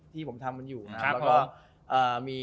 ที่ผมทำอยู่นะ